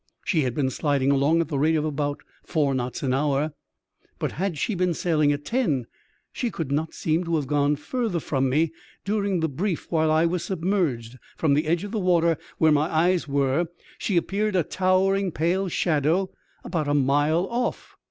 She had been sliding along at the rate of about four knots an hour; but had she EXTBAOBDINAHY ADVENTURE OF A CHIEF MATE, 29 been sailing at ten she could not seem to have gone further from me during the brief while I was submerged. From the edge of the water, where my eyes were, she appeared a towering pale shadow about a mile oflF.